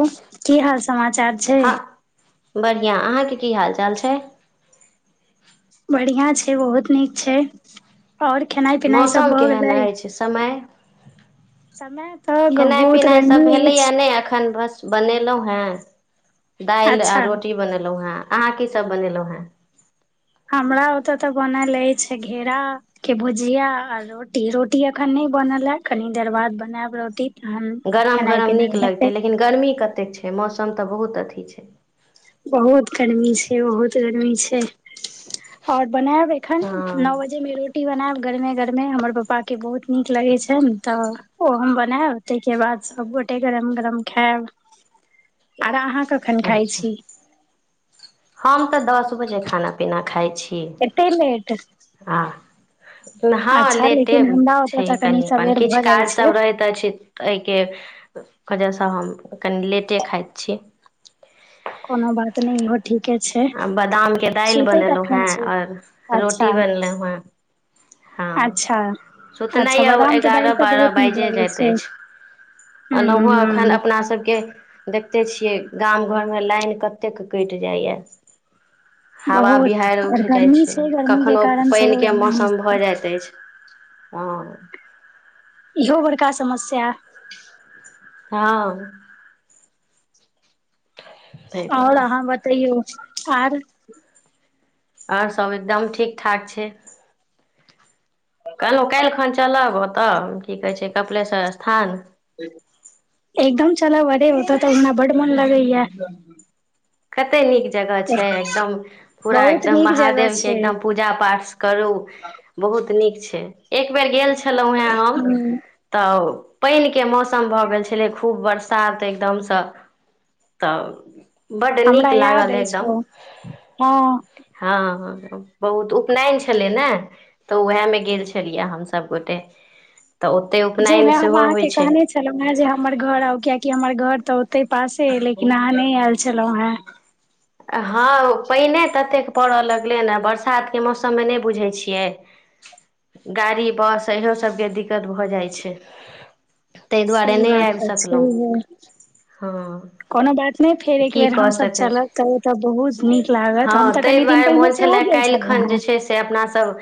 ओ की हाल समाचार छै हँ बढ़िआँ अहाँके की हाल चाल छै बढ़िआँ छै बहुत नीक छै आओर खेनाइ पिना सब मौसम भऽ केहन गेले अछि समय समय तऽ खेनाइ बहुत पिनाइ सब गर्मी भेलैए अछि नहि एखन बस बनेलहुँ हेँ दाल आ अच्छा रोटी बनेलहुं हें अहाँ की सभ बनेलहुँं हें हमरा ओतय तऽ बनल अछि घेराके भुजिया आ रोटी रोटी अखन नहि बनल हे कनि देर बाद बनायब रोटी तहन गरम खेनाइ गरम नीक पिनाइ हेतै लगतै लेकिन गर्मी कतेक छै मौसम मौसम तऽ बहुत अथी छै बहुत गर्मी छै बहुत गर्मी छै आओर बनायब एखन नओ हँ बजे मे रोटी बनायब गरमे गरमे हमर पापा के बहुत निक लगाए छै तऽ ओ हम बनाएब तै के बाद सब गोटे खायब कखन खाइ अच्छा छी हम तऽ दस बजे खाना पीना खाइत छी एते लेट आ हँ अच्छा लेटे लेकिन हमरा ओतय छै तऽ कनि अपन सवेर किछु भऽ जाइ काज छै सब रहैत अछि एहिके ओजहसँ हम कनि लेटे खाइत छी कोनो बात नहि घ आ बादामके दालि बनेलहुँ कखन हेँ छी आओर अच्छा रोटी बनेलहुँ हेँ हँ अच्छा सुतनाइ अच्छा यए बादाम के दालि एगारह तऽ बारह बहुत नीक बाजे लगै जाइत छै अछि हूं ओना एखन हूं अपनासभके देखिते छियै गाम घरमे लाइन कतेक कटि जाइए हवा बहुत बिहारि आओर उठि जाइ गर्मी छै गर्मी के कखनहु कारण सेहो पानिके एना होइ मौसम भऽ छै जाइत अछि हँ इहो बड़का समस्या हँ ताहि आओर दुआरे अहाँ बतैयौ आर आओर सभ एकदम ठीक ठाक छै कहलहुँ काल्हि खन चलब ओतऽ की कहै छै कपिलेश्वर स्थान एकदम चलऽ अरे होत तऽ हमरा ब् मन लगैय कते नीक जगह छै एकदम पूरा बहुत एकदम नीक जगह महादेव के छै एकदम पूजा पाठ करू बहुत नीक एक बेर गेल छ खेलहुॅं हेँ हम हूं तऽ पहिल के मौसम भऽ गेल छले खूब वर्षा सात एकदमसँ तऽ बड्ड हमरा नीक याद लागल अछिइ एकदम छ हँ हँ बहुत उपनयन छलै ने तऽ उएहमे गेल छलियै हम सभ गोटे तऽ ओतहि उपनयन जाहिमे हम सेहो होइ अहाँके छै कहने छलहुँ हेँ जे हमर घर आउ कियाकि हमर घर तऽ ओते पासे हय लेकिन अहाँ नहि आयल छलहुं हें हँ पानिए ततेक पड़य लगलै ने बरसातके मौसममे नहि बुझैत छियै गाड़ी बस इहो सभके दिक्कत भऽ जाइत छै ताहि दुआरे सही नहि बात आबि तऽ छै सकलहुँ हँ कोनो बात नहि फेर एक की बेर कऽ हमस सकैत छी चलब ओतऽ बहुत नीक लागत हँ हम तऽ ताहि कनि दिन दुआरे पहिने मोन सेहो छलए गेल काल्हि खन छलहुँ जे हेँ छै से अपनासभ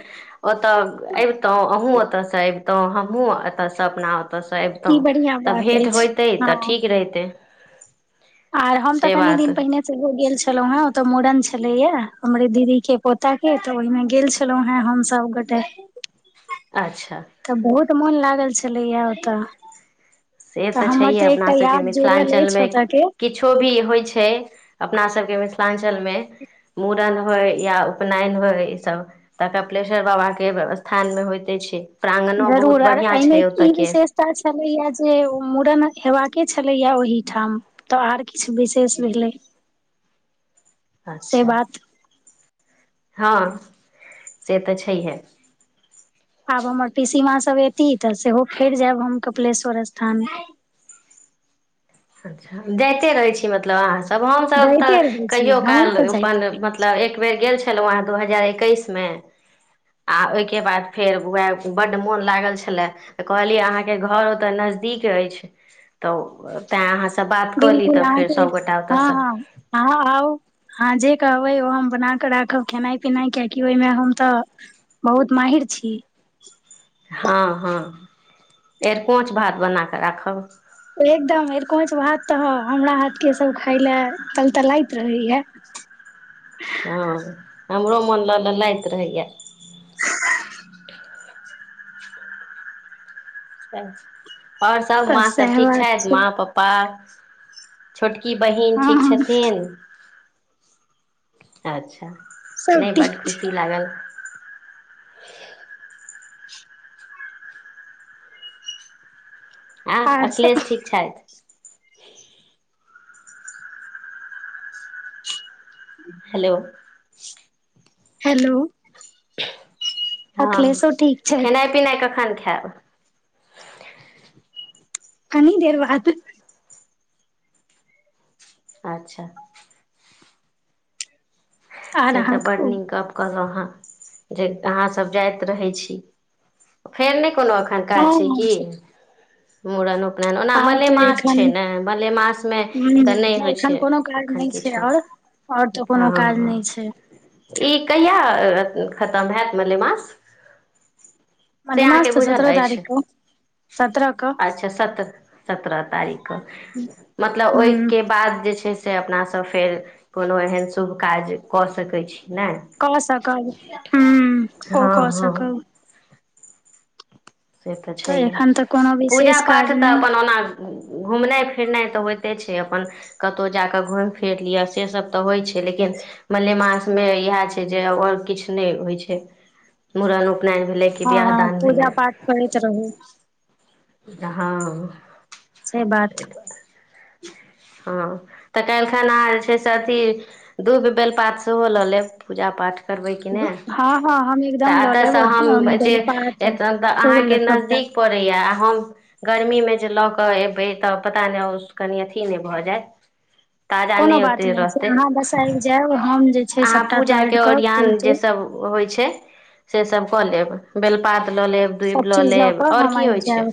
ओतऽ अबितहुँ अहुूँ ओतयसँ अबितहुँ तो हमहुँ एतऽ से अपना ओतयसँ ई अबितहुँ बढ़ियां तऽ बात भेंट अछि होइतै तऽ हँ ठीक रहितै आर हम तऽ से कनी बात दिन पहिने से हो गेल छी छलहु हें ओतऽ मूड़न छलेया हमरे दीदी के पोता के तऽ ओहिमे गेल छलौं हें हमस गोटे अच्छा बहुत तऽ मोन लागल छलैएा ओतऽ से तऽ हमर छैहे अपना एकटा सभके याद जुड़ल अछि मिथिलाञ्चलमे ओतऽ के किछो भी होइ छै अपना सबके मिथिलाञ्चलमे मूड़न होइ या उपनयन होइ ईसभ तऽ कपिलेश्वर बाबाके स्थानमे होइते छै प्राङ्गनो बहुत जरूर आर बढ़िआँ एहिमे छै क ओतयके विशेषता छलैया से मुूड़न हेबाके छलैया ओहि ठाम तऽ आर किछु विशेष भेलै से अच्छा बात हँ से तऽ छैहे आब मै सीमा सबर तऽ सेहो फेर जायब हम कपिलेश्वर स्थान अच्छा जाइते रहै छी मतलब अहाँ तब हम सब तऽ जाइते रहै छी कहियो हम काल तऽ जाइत अपन रहै मतलब एक बेर गेल छी आ ओहि बादर बड्ड मोन लागल छल अहाँके नजदीक अछि तऽ तऽ बात कऽ ली बिलकुल फेर अहाँके सभगोटा हँ ओतयसँ हँ अहाँ आउ अह जे कहबै ओ हम बना कऽ राखब खेनाइ पिनाइ कियाकि ओहिमे हम तऽ बहुत महिर छी हँ हँ एर पोच भात बना कऽ राखब एकदमर कोच भात तऽ हमरा हाथ के सब खााय ले तल त लइत रहैय हँ हमरो मोन लऽ लेल लैत रहैए अच [inaudible] आओर सभ तऽ माँ सभ सएह ठीक बात छथि छै माँ पप्पा छोट की बहिन हँ ठीक हँ छथिन अच्छा सब नहि ठीक बड्ड छै खुशी लागल ह आँ आर सब अखलेश ठीक छै हेलो हेलो [unintelligible] हँ अखिलेशो ठीक छथि खेनाइ पिनाइ कखन खायब कनी देर बाद अच्छा आर से तऽ अहाँ बड्ड कहू नीक गप कहल अहाँसभ जाइत रहै छी फेर नहि कोनो एखन हँ काज छै हम की मुूड़न ओना आब तऽ मलेमास एखन छै ने मलेमासमे तऽ नहि ह होइ छै एखन कोनो काज एखन नहि छै किछो आओर आओर तऽ कोनो काज हँ नहि छै ई कहिया खत्म भेल मलेमास से मले मास अहाँके तऽ बुझल सत्रह अछि तारीख सत्रह क अच्छा सत्रह सत्रह तारीख मतलब ह ओहिके बाद जे छै से अपनासँ फेर कोनो एहन शुभ काज कऽ सकैत छी ने कसकब ह ओ हँ हँ कहसकब से तऽ छैहे एखन तऽ कोनो पूजा विशेष पाठ काज तऽ नहि अपन ओना घुमनाइ फिरनाइ तऽ होइते छै अपन कतहु जा कऽ घुमि फिरि लिअ सेसभ तऽ होइत छै लेकिन मलेमासमे इएह छै जे आओर किछु नहि होइत छै मूड़न उपनयन भेलै कि बिआह दान भेलै कैत रहू हँ से बात हँ तऽ काल्खिन अहाँ जे छै से अथी दुूब बेल पात सेहो लऽ लेब पूजा पाठ करबै कि ने हँ हँ हम तऽ एकदम लऽ एतऽ से लेब बेलपात हम फूल अहाँके सबटा नजदीक पड़ैया गर्मी मे जे लऽ कऽ एबै तब पता नहि कनि अथि से नए भ जाय ताजा कोनो नए बात ओते नहि छै रहतय अहाँ बस आबि जायब हम जे छै अहाँ सभटा पूजा के तोड़ि कऽ फूल ओरियोन के तूल सब होय छै से सब कऽ लेब बेलपात कत लऽ लेब सब दुबि लऽ चीज लेब कऽ आओर की होइ छै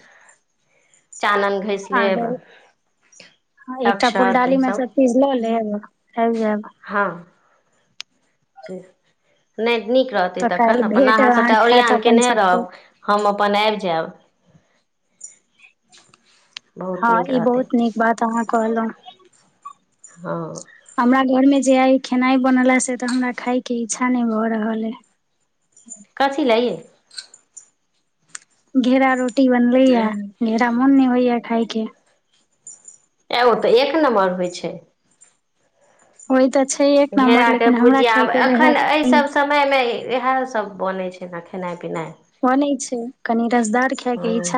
चानन घसि हँ लेब एकटा अक्षत फुलडालीमे ईसभ सभचीज लऽ लेब आबि जायब हँ से नहि नीक रहतै तऽ काल्हि तखन अपन भेट अहाँ सभटा अहाँक हैत ओरियन अपन केयने सबके रहब हम अपन आबि जायब बहुत हँ नीक ई रहतै बहुत नीक बात अहाँ कहलहुँं हँ हमरा घरमे जे आइ खेनाइ बनेलास से तऽ हमरा खायके इच्छा नहि भऽ रहल हइ कथी लए ये घेरा रोटी बनलैया घेरा मोन नहि होइया खायके ए ओ तऽ एक नम्बर होइ छै हो घेरा के भुजियाब रहए अखन एहि सब समय मे इएह सब बनय छै ने खेनाइ पिनाइ ओना छै कनी हँ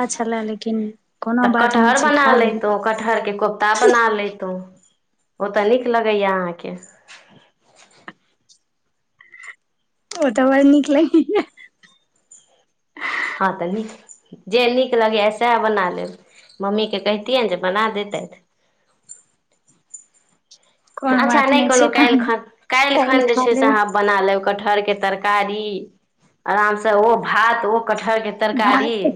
कोनो तऽ बात नहि कटहर छै बना खा लेब लेैतहुँ कटहरके कोफ्ता बना लैतहुँ ओ तऽ नीक लगैया अहाँके ओ तऽ बड़ नीक लगे हँ तऽ नीक जे नीक लगैए सएह बना लेब मम्मीकेँ कहितियैनि जे बना देतैथ कोनो अच्छा बात नहि कोहु छै काल्हि तहन खन काल्हि खन जे खा छै से लेब अहाँ बना लेब कटहर के तरकारी आराम से ओ भात ओ कटहर के तरकारी भात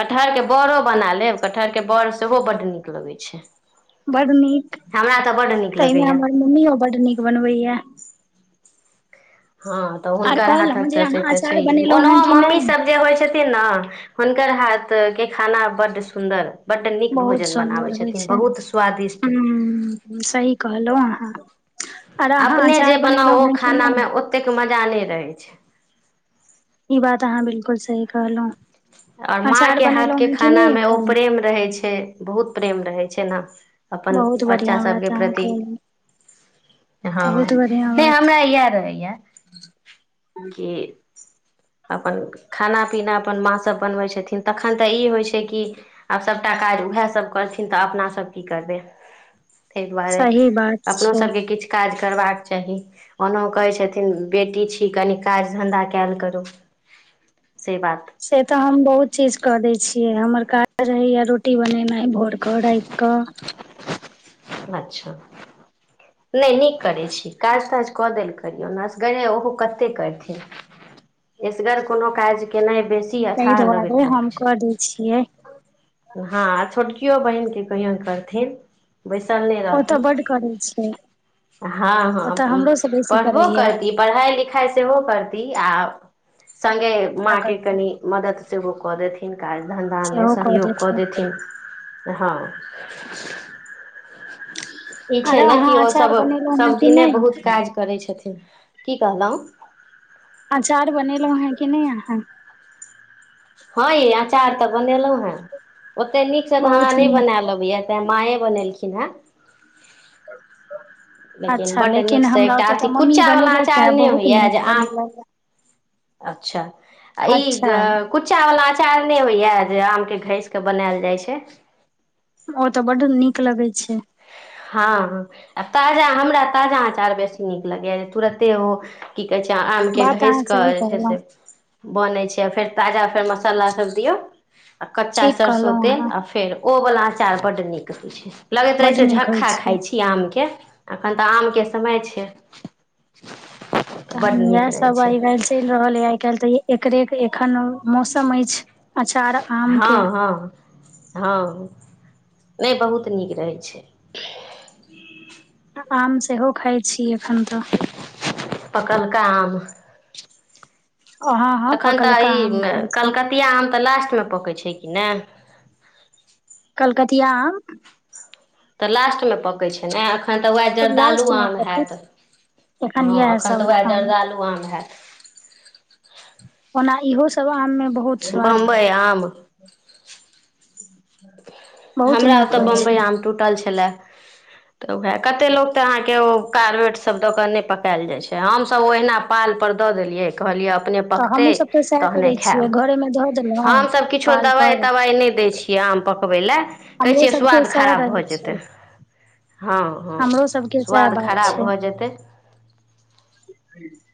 कटहरके बड़ो बना लेब कटहरके बड़ सेहो बड्ड नीक लगैत छै बड नीक हमरा तऽ बड निक ताहिमे हमर मम्मीो बड्ड नीक बनबैया हँ तऽ आर हुनकर हाथक कहलहुँ जे तऽ से अहाँ तऽ अचार छैहे बनेलहुं हें ओनहो कि नहि मम्मीसभ जे होइ छथिन ने हुनकर हाथ के खाना बड सुन्दर बड्ड नीक बहुत भोजन बनाबै सुन्दर होइ छथिन छै बहुत स्वादिष्ट ह सही कहलहु अह अपने जे बनाउ ओ हें कि नहि खानामे ओतेक मजा नहि रहैत छै ई बात अहाँ बिलकुल सही कहलहु और माँ के हाथ के खाना नहि मे ओ एखन प्रेम रहे छै बहुत प्रेम रहे छै प छैना अपन बहुत बच्चा बढ़िया सभके बात अहाँ प्रति कहलहुं हँ बहुत बढ़िया नहि बात हमरा इएह रहैए कि अपन खाना पीना अपन माँ सब बनबै छथिन तखन तऽ ई होइ छै कि आब सभटा काज उएहसभ करथिन तऽ अपनासभ की करबै ताहि दुआरे सही बात अपनो छै सबके किछु काज करबाक चाही ओना कहै छथिन बेटी छी कनि काज धन्धा कयल करू से बात से तऽ हम बहुत चीज कऽ दै छियै हमर काज रहैया रोटी बनेनाइ भोर कऽ राखि कऽ अच्छा नहि नीक करै छी काज ताज कऽ देल करियौसगरे ओहो कते करथिन एसगर कोनो काज के नहि ताहि दुआरे हम कऽ दै छियै हँ आ छोटकियो बहिनके कहियो करथिन बैसल नहि रहती ओतऽ बड्ड करै छै हँ हँ ओतऽ हमरो से बेसी पढ़बो करैया करती पढ़ाई लिखाइ सेहो करती आ सङ्गे सबटा माँके करती कनि मदति सेहो कऽ देथिन काज धन्धामे सेहो कऽ सहयोग देथिन हँ ई छै आर ने अहाँ कि अचार ओसभ बनेलहुं हें कि सभदिने बहुत नहि काज करै छथिन की कहलहुँ कने आ ह हँ य अँचार तऽ बनेलहुँ हेँ ओते नीक छै तऽ हमरा बहुत नहि नीक बनाय लेबेया ते मायएे बनेल छी ब किना लेकिन अच्छा बड्ड नीकसँ हमरा एकटा ओतऽ तऽ अथि मम्मी कुच्चावला बनेलक ये अँचार नहि बहुत होइए नीक जे आम बनेलक ये अच्छा ई अच्छा कु्चावला चारने होइया जे आम के घस के बनायल जाइ छै ओ तऽ ब् नीक लगै छै हँ ह आ ताजा हमरा ताजा अँचाार बेसी नीक लगैए जे तुरते ओ कि कहै छै आमके बात घसि अहाँ कऽ सही जे छै से कहलहुँ बनै छै आ फेर ताजा फेर मसाला सभ दियौ आ कच्चा ठीक सरसो कहलहुँ तेल अहाँ आ फेर ओवला अचार बड्ड नीक हो छै लगैत रहै बड छै नीक होइ झक्का छै खाइ छी आम के एखन तऽ आमके समय छै तऽ बड्ड तहन इएह नीक रहै सब छै आइ काल् चलि रहल है आइ काल्हि तऽ ये एकरे एखन मौसम अछि अचार आम के हँ हँ हँ नहि बहुत नीक रहै छै आम सेहो खाइ छी एखन तऽ पकलका आम हँ हँ एखन तऽ पकलका ई आम खाय छी कलकतीया आम तऽ लास्टमे पकै छै नए कलकतिया आम तऽ लास्टमे पकैत छै नए एखन तऽ वएह सब जरदालू लास्ट मे आम हैत पकत हँ इएह एखन सब तऽ वएह आम जरदालू आम हैत ओना इहो सब आम मे बहुत स्वाद बम्बइ आम बहुत हमरा नीक ओतय होइ बम्बई छै आम टूटल छलए ऽ कते त अहाँके कारबेट सब दऽ क पकायल जाइ छै हमसभ ओहिना प दऽ देलियै कह ना तऽ पैकते हमहूँ सब तऽ सएह तहने करै खैब छियै घरेमे धऽ देलहुँ हम सब पाल दवाई पर तवाई नए देय छीये काम पकबैले कहै हमरो छियै सबके स्वाद सएह खराब भऽ रहै जेतै छै हँ हँ हमरो सबके सएह स्वाद बात खराब छै भऽ जेतै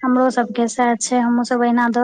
हमरो सब के साथ छै हमहु सब एऐना दो